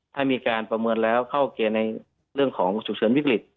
ถ้ามีการประเมินแล้วเข้าเกณฑ์ในเรื่องของฉุกเฉินวิกฤต